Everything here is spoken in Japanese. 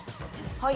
はい。